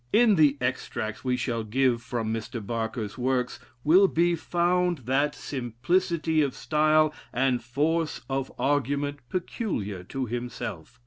In the extracts we shall give from Mr. Barker's works will be found that simplicity of style and force of argument peculiar to himself.